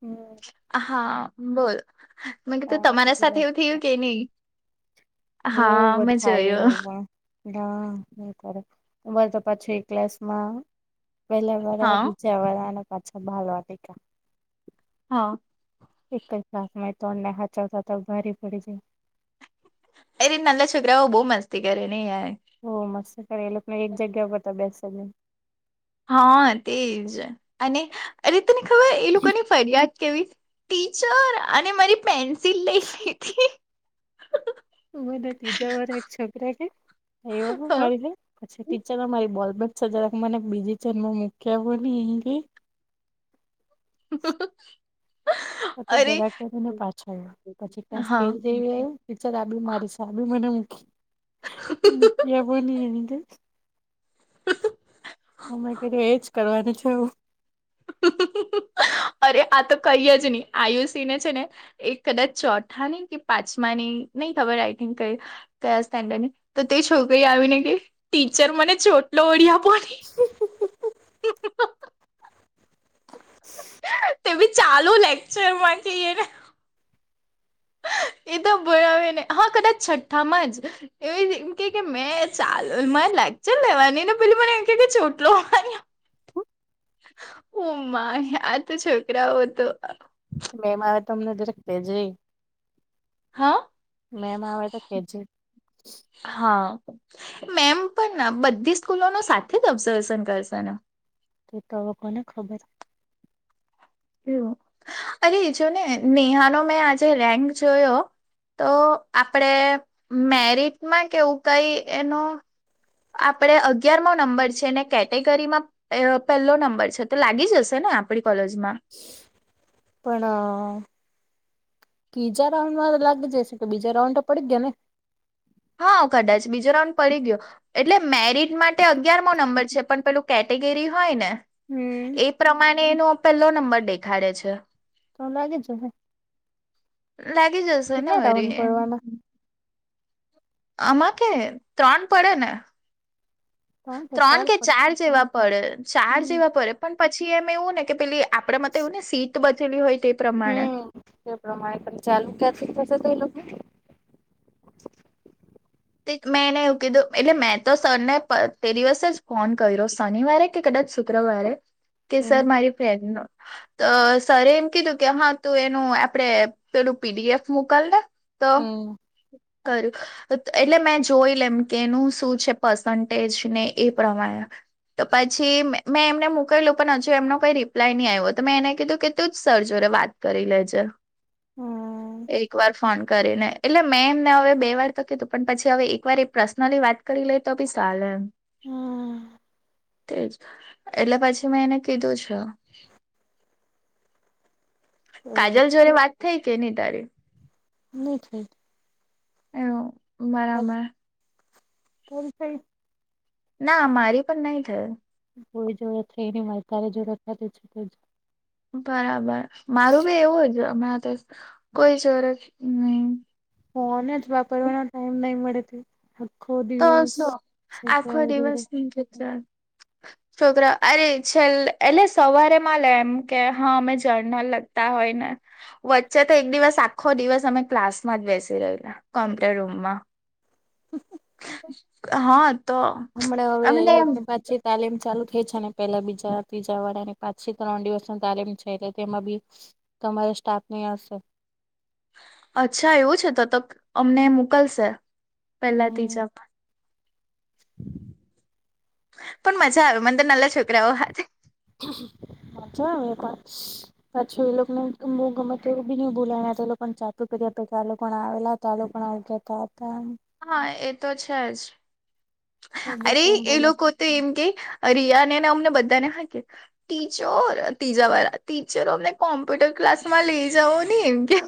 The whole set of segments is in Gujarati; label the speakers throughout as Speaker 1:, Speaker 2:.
Speaker 1: હમ.
Speaker 2: હા બોલ મે
Speaker 1: પાર્વતી
Speaker 2: કીધુતમારા સાથે
Speaker 1: ગુલાબ
Speaker 2: એવું થીયું કે ની
Speaker 1: બો [unintelligible] થાય
Speaker 2: જોયું
Speaker 1: એવુ પણ [unintelligible] તો પછી ક્લાસમાં પેલા વારા
Speaker 2: હા
Speaker 1: બીજા વારા અને પાછા ભાલવાટીકા
Speaker 2: હા.
Speaker 1: એક જ કલાસમા ત્રણને હાચાવતાત ભારે પડી જાય
Speaker 2: અરે નના છોકરા બહુ મસ્તી કરેને યાર
Speaker 1: બો મસ્ત કરે લોકોકને એક જગ્યા પર ત બેસેજ ને
Speaker 2: હ તેજ અને અરે તને ખબર એ લોકોની ફરિયાદ કેવી ટીચર અને મારી પેન્સિલ લઈ લીધી
Speaker 1: હું મને ત્રીજા વાળા એક છોકરા કે [unintelligible] [unintelligible]
Speaker 2: [inaudible] અરે
Speaker 1: [unintelligible] ટીચર
Speaker 2: હા
Speaker 1: આબી મારી છે, આબી મને મૂકી [unintelligible] અમે કેજે એજ કરવાની છે, એવું
Speaker 2: અરે આ તો કઈ જ ની આયુષીને છે, ને એ કદાચ ચોથા ને કે પાંચમાની નહી ખબર આઈ થિક કય કયા સ્ટેન્ડની તો તે છોકરી આવીને કેય ટીચર મને ચોટલો [unintelligible] પોની તેવી ચાલુ લેક્ચર માં કેય એને એ તો બોયાને હા કદાચ છઠ્ઠામાં જ [unintelligible] એમ કે કે મે ચાલો મારે લેક્ચર લેવાની ને પેલી મને એમ કે ચોટલો હોવાની ઉ માય આ તો છોકરાઓ તો
Speaker 1: મેમ આવે તો અમને જરાક કેજે
Speaker 2: હા
Speaker 1: મેમ આવે તો કેજે
Speaker 2: હ મેમ પણ બધી સ્કૂલો નો સાથે જ ઓબ્ઝર્વેશન કરશે ને?
Speaker 1: તે ત હવે કોને ખબર
Speaker 2: એવુ અરે જો ને નેહા નો મેં આજે રેન્ક જોયો તો આપડે મેરિટમાં કેવું કઈ એનો આપણે અગિયાર મો નંબર છે, ને કેટેગરીમાં એ પહેલો નંબર છે, તો લાગી જશે ને આપણી કોલેજમાં
Speaker 1: પણ તીજા રાઉન્ડમાં લાગી જાશે કે બીજા રાઉન્ડ તો પડી ગયા ને
Speaker 2: હા કદાચ બીજો રાઉન્ડ પડી ગયો એટલે મેરિટ માટે અગિયારમો નંબર છે, પણ પેલું કેટેગરી હોય ને
Speaker 1: હમ્મ.
Speaker 2: એ પ્રમાણે એનો પેલો નંબર દેખાડે છે.
Speaker 1: તો લાગે જહે
Speaker 2: લગેજસ
Speaker 1: કેટલા ટાઉન પડવાના
Speaker 2: આમાં કે ત્રણ પડે ને ત્રણ કે ચાર જેવા પડે ચાર
Speaker 1: હમ્મ
Speaker 2: જેવા પડે પણ પછી એમ એવું ને કે પેલી આપડે મ તો એવું ને સીત બચેલી હોય તે પ્રમાણે
Speaker 1: હમ્મ. તે પ્રમાણે ત ચાલુ કેથી થશે તો એ લોકો
Speaker 2: મેં એને એવું કીધું એટલે મેં તો સરને તે દિવસે જ ફોન કર્યો શનિવારે કદાચ સૂત્રવાળરે કે
Speaker 1: હમ્મ
Speaker 2: સર મારી ફન્ડ અ સર એમ કીધું કે હા તું એનું આપણેે પેલું પીડીએફ મોકલ ને તો
Speaker 1: હમ્મ.
Speaker 2: કરું એટલે મેં જોઈ લેમ કે એનું શું છે પર્સન્ટેજ ને એ પ્રમાણે તો પછી મેં એમને મકલું પણ હજુ એમનો કોઈ રિપ્લાય નહી આવ્યો તો મેં એને કીધું કે તું જ સરજો રે વાત કરી લ છે
Speaker 1: હમ્મ.
Speaker 2: એક વાર ફોન કરીને એટલે મે એમને હવે બે વાર તકી પણ પછી હવે એકવાર પર્સનલી વાત કરી લે તો બી સલે એમ
Speaker 1: હમ
Speaker 2: તેજ એટલે પછી મેં એને કીધું છે
Speaker 1: તો
Speaker 2: કાજલ જોરે વાત થાય કે નહી તારી
Speaker 1: નથીહી ન
Speaker 2: હ મારામાં
Speaker 1: ત છે
Speaker 2: ના મારી પણ નહી થઈ
Speaker 1: કોઈ જોડત ર એની મા તારે જોરત છે તો
Speaker 2: બરાબર મારું બી એવું જ હમણાં તો કોઈ જરત નહી
Speaker 1: ફન જ વાપરવાનો ટાઈમ નહી મળે ત આખો દિવસ છેવા જોડે
Speaker 2: જ છે હ છોકરા અરે છેલ્ એટલે સવારેમાં લે એમ કે હા અમે જર્નર લગતા હોય ને વચ્ચે તો એક દિવસ આખો દિવસ અમે ક્લાસમાં જ બેસી રહલા કોમ્પ્યુટર રૂમમાં
Speaker 1: હ
Speaker 2: હા તો
Speaker 1: હમણાં હવે એ લોકોને પાછી તાલીમ ચાલુ થઈ છે ને પેલા બીજા ત્રીજા વાડાા ને પાંચ થી ત્રણ દિવસ ન તાલીમ છે એટલે તેમાં બી તમારી સ્ટાફ ની હશે
Speaker 2: અચ્છા એવું છે તોત અમને મોકલશે પેલા
Speaker 1: હમ
Speaker 2: ત્રીજા પણ આવે મંદર નાલા છોકરાઓ હા
Speaker 1: મછ વપ પછી એ લોકોનેું ગમે એવું બી નહ ભોલા્યા એ લોકો ચતું કર્યા પ આ લોકો આવેલા હતા લોકો આવ ગ પાપ
Speaker 2: હા એ તો છે જ
Speaker 1: બહુ
Speaker 2: અરે
Speaker 1: કઈ
Speaker 2: એ
Speaker 1: બોલે
Speaker 2: લોકો તો એમ કે રિયાને એને અમને બધાને હાકે ટીચર ત્રીજા વાળા ટીચરો અમને કોમ્પ્યુટર ક્લાસ માં લઈ જઓ ને એમ કે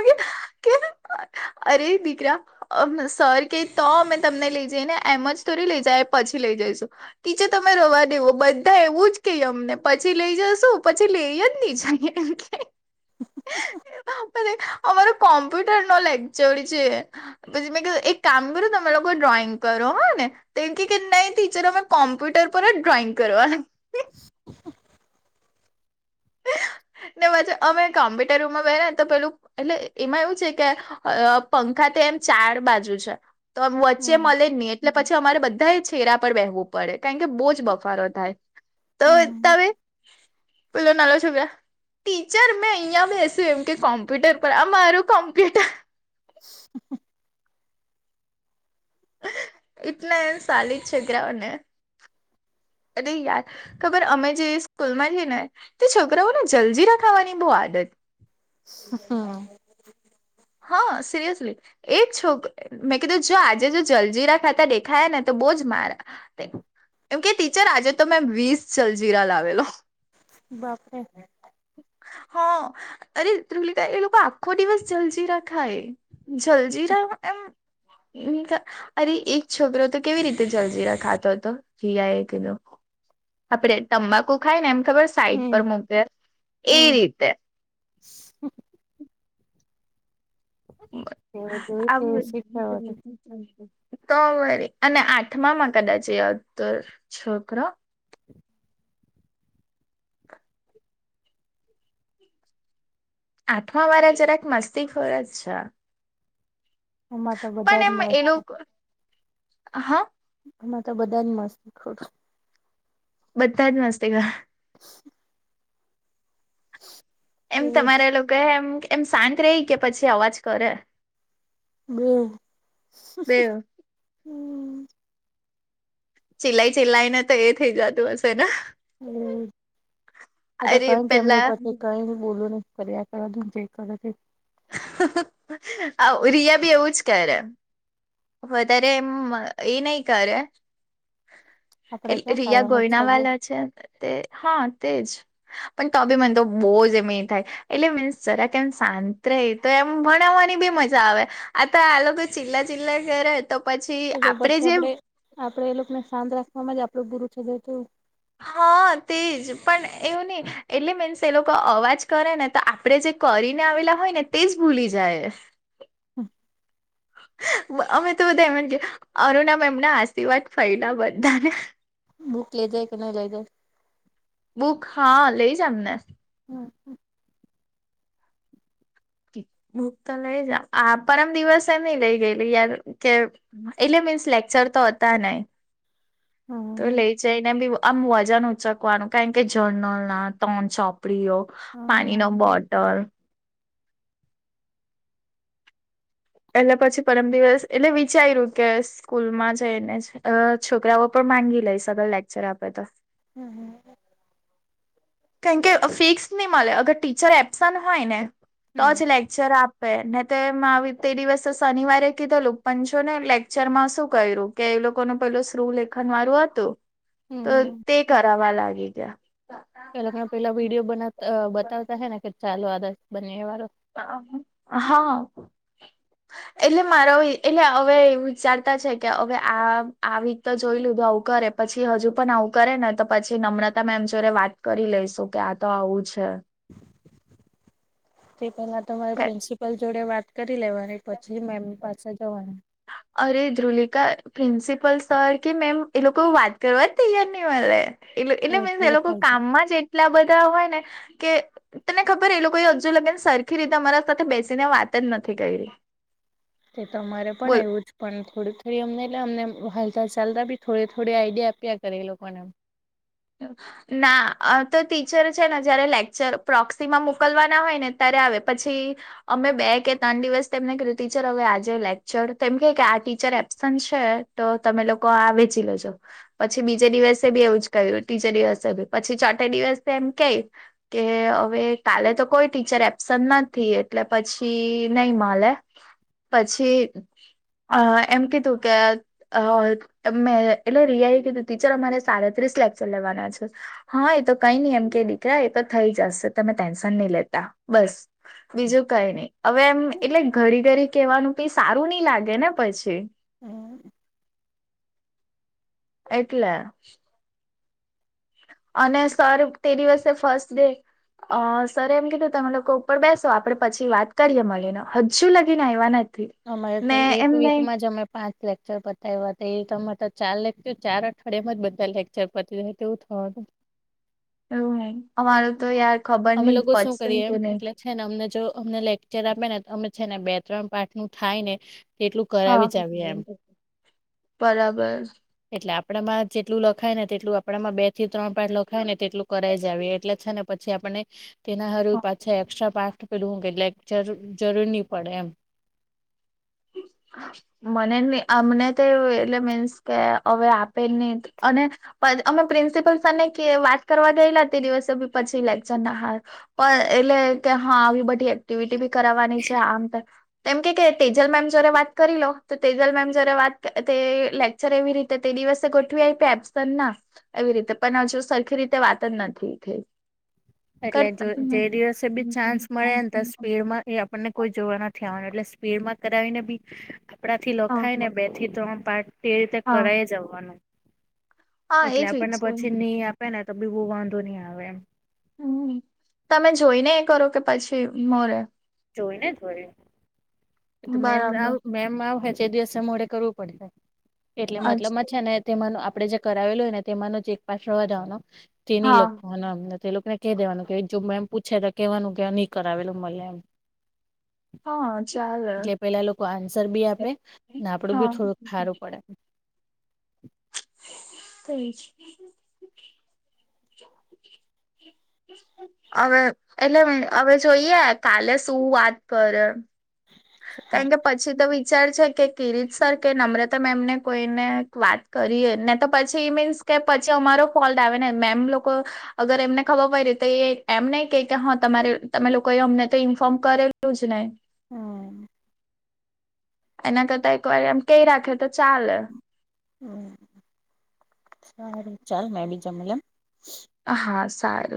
Speaker 2: ઓ અરે દીકરા મ સર કે તો અમે તમને લઈ જઈ ને એમ જ થોડી લઈ જાય પછી લઈ જઈશું ટીચે તમે રવા દેવો બધા એવું જ કે અમને પછી લઈ જશો પછી લઈ જ હી જ [inaudible]
Speaker 1: હ
Speaker 2: નારે અમારો કમ્પ્યુટર ન લેગચડી છે પછી મેં એક કામ કર્યું તમે લોકો ડ્રોઈંગ કરો હોય ને તો એમ કે નઈ ટીચર અમે કોમ્પ્યુટર પર જ ડ્રોઈંગ કરવા ને વા અમે કોમ્પ્યુટર રૂમમાં બે્યા ને તો પેલું એટલે એમાં એવું છે કે અ પંખા તો એમ ચાર બાજુ છે તો વચ્ચે
Speaker 1: હમ
Speaker 2: મલે ન એટલે પછી અમારે બધાએ છેરા પર બેહેવું પડે કારણ કે બહુ જ બફારો થાય તો
Speaker 1: હમ
Speaker 2: તમે પલો નલો છભ ટીચર મેં અહીંયા બેસ્યું એમ કે કોમ્પ્યુટર પર આમારું કોમ્પ્યુટર
Speaker 1: હ
Speaker 2: એટલા એમ સાલી [unintelligible] અરે યાર ખબર અમે જે સ્કૂલ માં છી ને તે છોકરાઓને જલજીરા ખાવાની બહુ આદત
Speaker 1: હા
Speaker 2: હા સિરયસલી એ છોક મેં કીધું જો આજે જો જલજીરા ખાતા દેખાયા ને તો બહુ જ મારા કેમ કે ટીચર આજે તો મેં વીસ જલજીરા લાવેલો
Speaker 1: બાપરે
Speaker 2: હા અરે ધ્રુલિકા એ લોકો આખો દિવસ ચાલશે રા ખાય જલજીરા એમ અરે એક છોકરો તો કેવી રીતે જલજીરા ખાતો હતો જીિયા એ કીધું. આપડે તંબાકુ ખાય ને એમ ખબર સાઈટ પર
Speaker 1: હમ
Speaker 2: મૂકે એ
Speaker 1: હમ
Speaker 2: રીતે
Speaker 1: એવું જોયું
Speaker 2: આ
Speaker 1: તેવું શીખવા
Speaker 2: તો વરી અને આઠમામાં કદાચ એ હતો છોકરો
Speaker 1: [inaudible]
Speaker 2: આઠમા વારા જરાક મસ્તી ખોરા જ છે
Speaker 1: હમાં તો
Speaker 2: પણ
Speaker 1: બધા જ
Speaker 2: એમ
Speaker 1: મસ્ત
Speaker 2: એ
Speaker 1: છે
Speaker 2: લોકો હા
Speaker 1: હમાં તો બધા જ મસ્ત શીખ
Speaker 2: બધતાાય નાસ્તે ક
Speaker 1: હ
Speaker 2: એમ
Speaker 1: એવું જ
Speaker 2: તમારા લોકો એમ એમ શાંત રહી કે પછી અવાજ કરે
Speaker 1: બે
Speaker 2: એવ
Speaker 1: હમ
Speaker 2: ચિલાઈ ચિલાઈ ને તો એ થઇ જતું હશે ને
Speaker 1: [unintelligible] કર ત
Speaker 2: અરે પેલા રિયા બી એવું જ કર રેમ વધારે એમ એ નહ કરે
Speaker 1: આપડે
Speaker 2: એટલે
Speaker 1: ક્યાં
Speaker 2: રિયા
Speaker 1: કાયમ જ
Speaker 2: ગોયના
Speaker 1: સજે
Speaker 2: વાલા છે તે હા તેજ પણ તો બી મને તો બહુ જ એમ થાય એટલે મીન્સ જરા કેમ શાંત રે તો એમ ભણાવવાની બી મજા આવે આ તો આ લોકો ચિલ્લા ચીલ્લા કરે તો પછી
Speaker 1: તો
Speaker 2: આપડે
Speaker 1: પછી
Speaker 2: જે
Speaker 1: આપડે એ લોકોને શાંત રાખવા જ આપણું બુરું થઈ ગય હતું
Speaker 2: હા તેજ પણ એવું નહી એટલે મીન્સ એ લોકો અવાજ કરે ને તો આપડણે જે કરીને આવેલા હોય ને તે જ ભૂલી જાય
Speaker 1: હા
Speaker 2: અમે તો બધા એમ અરુણામ એમના આશીર્વાદ ફયલા બધાને
Speaker 1: બુક લઈ દે કે ન લઈ દે
Speaker 2: બુક હા લઈ જ અમને
Speaker 1: હા હા
Speaker 2: બુક તો લઈ જા આ પરમ દિવસે એ નઈ લઈ ગયેલી યાર કે એટલે મીન્સ લેક્ચર તો હતા નય તો
Speaker 1: હમ હમ
Speaker 2: લે જઈને બી આમ વજન ઉચકવાનું કારણ કે જર્નલ ના તણ ચોપ ઉપડીઓ પાણી ન બોટલ એટલે પછી પરમ દિવસ એટલે વિચાર્યું કેસ સ્કૂલ માં જઈને જ છોકરાઓ પણ માંગી લઈ સગળ લેક્ચર આપે તો
Speaker 1: હમ હમ
Speaker 2: કેમકે ફિક્સ નહી મળે અગર ટીચર એબસન્ટ હોય ને તો જલે ક્ચર આપે ને તે તે દિવસે શનિવારે કીધેલું પણ જો ને લેક્ચર માં શું કર્યું. કે એ લોકો ન પેલું શૃ લેખન વાળું હતું તો
Speaker 1: હમ
Speaker 2: તે કરવા લાગી ગયા
Speaker 1: પેને પેલા વિડીયો બનાવતા બતાવતા હે ને કે ચાલો આદ બને વાળો
Speaker 2: હા એટલે મારો એટલે હવે એવું વિચારતા છે કે હવે આ આ વીક તો જોઈ લીધું આવું કરે પછી હજુ પણ આવું કરે ને તો પછી નમ્રતા મેમ જોરે વાત કરી લઈ શું કે આ તો આવું છે.
Speaker 1: તે પહેલા તમારે પ્રિન્સિપલ જોડે વાત કરી લેવાની પછી મેમની પાસે જવાની
Speaker 2: અરે ધ્રુલિકા પ્રિન્સિપલ સર કે મેમ એ લોકો વાત કરવા જ તૈયાર નહી મલે એ ટલે એટલે
Speaker 1: એવું
Speaker 2: મીન્સ એ
Speaker 1: થોડું
Speaker 2: લોકો
Speaker 1: થાય છે.
Speaker 2: કામમાં જ એટલા બધા હોય ને કે તને ખબર એ લોકો હજુ લગે ને સરખી રીતે અમારા સાથે બેસીને વાત જ નથી કઈ રી
Speaker 1: તે તો તમારે પણ આવું જ પણ થોડી થોડી અમને એટલે અમને હાલતા ચાલતા બી થોડ થોડી આઈડિયા આપ્યા કરે એ લોકોને એમ
Speaker 2: તો [inaudible] ના અ તો ટીચર છે ને જયારે લેક્ચર પ્રોક્સીમાં મોકલવાના હોય ને ત્યારે આવે પછી અમે બે કે ત્રણ દિવસ તેમને કીધું ટીચર હવે આજે લેક્ચર તો એમ કે કે આ ટીચર એબ્સન્ટ છે. તો તમે લોકો વેચી લોજો પછી બીજે દિવસે બી એવું જ કયું ત્રીજે દિવસે પછી ચોથે દિવસ એમ કેઈ કે હવે કાલે તો કોઈ ટીચર એબ્સન્ટ નથી એટલે પછી નઈ મલે પછી અ એમ કીધું કે અ મેં અ એટલે રિયા એ કીધું ટીચર અમારે સાડત્રીસ લેક્ચર લેવાના છે. હા એ તો કઈ નહી એમ કે દીકરા એ તો થઈ જશે તમે ટેન્શન નહી લેતા બસ બીજું કઈ નઈ હવે એમ એટલે ઘરી ઘરી કેવાનું પણ સારું નઈ લાગે ને પછી
Speaker 1: હમ
Speaker 2: એટલે અને સર તે દિવસે ફર્સ્ટ ડે અ સર એમ કીધું તમે લોકો ઉપર બેસો આપડે પછી વાત કરીએ મળી ન હજુ લગીને આવ્યા નથી.
Speaker 1: અમારે તો
Speaker 2: ને
Speaker 1: એક
Speaker 2: એમ નહી
Speaker 1: વીકમાં જ અમે પાંચ લેકચર પતાય્યા એ તે તમારે તો ચાર લેકચર ચાર અઠવાડિયામાં જ બધા લેકચર પતીયુ એવું થવાનું
Speaker 2: એવું હે અમારું તો
Speaker 1: હમ.
Speaker 2: યાર ખબર
Speaker 1: અમે
Speaker 2: નહીં
Speaker 1: લોકો શું
Speaker 2: પતશે ને
Speaker 1: કરીએ
Speaker 2: કે નહી.
Speaker 1: એટલે છે ને અમને જો અમને લેકચર આપે ને તો અમે છે ને બે ત્રણ પાઠ નું થાય ને એટલું કરાવી
Speaker 2: હા
Speaker 1: જ આવી એમ
Speaker 2: બરાબર
Speaker 1: એટલે આપણા માં જેટલું લખાય ને તેટલું આપણામાં બે થી ત્રણ પાઠ લખાય ને તેટલું કરા વીજ આવે એટલે છે ને પછી આપને તેના હર રોજ પાછા એસ્ટ્રા પાઠ પેલું હું કે લેક્ચર જરૂર નહી પડે એમ
Speaker 2: ા [inaudible] મને એમ ને તો એવું એટલે મીન્સ કે હવે આપે જ નહી અને પણ અમે પ્રિન્સિપલ સર ને કે વાત કરવા ગયેલા તે દિવસે પછી લેક્ચર ના હાલ પણ એટલે તે કે હા આવી બધી એક્ટિવિટી બી કરાવવાની છે આમ તેમ એમ કે કે તે જ જલ મેમ જૉરે વાત કરી લો તો તેજલ મેમ જયારે વાત તે અ લેક્ચર એવી રીતે તે દિવસે ગોઠવી આપ્યા એમ તે પણ ના એવી રીતે પણ હજુ સરખી રીતે વાત જ નથી થ ઈ
Speaker 1: એટલે જો જે દિવસે બી ચાન્સ મળે ને તો સ્પીડ માં એ આપણને કોઈ જોવા નથી આવનું એટલે સ્પીડ માં કરાવીને બી આપડા થી લખાય ને
Speaker 2: હા
Speaker 1: બે થી ત્રણ પાઠ એ રીતે
Speaker 2: હા
Speaker 1: કરાઈ જવાનું
Speaker 2: હા
Speaker 1: એટલે
Speaker 2: એજ
Speaker 1: આપણને
Speaker 2: વિચાર
Speaker 1: પછી નહી આપે ને તો બી બહુ વાંધો નહી આવે એમ
Speaker 2: હમ -તમે જોઈને એ કરો કે પછી મોરે
Speaker 1: જોઈને- વડી- તો મેમ ને
Speaker 2: બરાબર
Speaker 1: આવું મેમ આવુ હ જે દિવસે મોડે કરવું પડશે એટલે
Speaker 2: અચ્છ
Speaker 1: મતલબ મ છે ને તેમાનું આપણે જે કરાવેલું હોય ને તેમાંનો એક પાછવા જવાનો તે ની
Speaker 2: હા
Speaker 1: લખવાનો એમ ને તો એ લોકોને કહી દેવાનું કે જો મે એમ પૂછે તો કે હેવાનું કે નહીં કરાવેલ મેમ એમ
Speaker 2: હા ચાલે
Speaker 1: એટલે પેલા લોકો આન્સર બી આપે ને આપડું
Speaker 2: હા
Speaker 1: બી થોડું હારું પડે
Speaker 2: થઈ છે [inaudible] હવે અ એટલે હવે જોઈએ કાલે શું વાત કરે એ
Speaker 1: હા
Speaker 2: કારણ કે પછી તો વિચાર છે કે કિરીટ સર કે નમ્રતા મેમ ને કોઈને વાત કરીએ ને તો પછી મીન્સ કે પછી અમારો ફોલ્ટ આવે ને મેમ લોકો અગર એમને ખબર પડી ર તો એ એમ નહી કે કે હા તમારે તમે લોકોએ અમને તો ઇન્ફોર્મ કરેલું જ ને
Speaker 1: હમ
Speaker 2: એના કરતા એક વાર એમ કઈ રાખે તો ચાલે
Speaker 1: હમ સારું ચાલ મે બી જમમ
Speaker 2: હા સારું